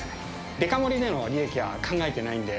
デカ盛りでの利益は考えてないんで。